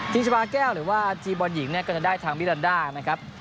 ที่จบาแก้วหรือว่าจีบอลหญิงก็จะได้ทางวิลันด้านะครับ